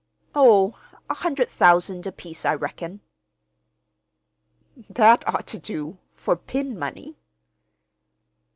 "Oh, a hundred thousand apiece, I reckon." "That ought to do—for pin money."